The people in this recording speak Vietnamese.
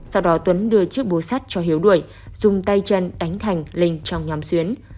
sau đó tuấn đưa chiếc búa sắt cho hiếu đuổi dùng tay chân đánh thành linh trong nhóm xuyến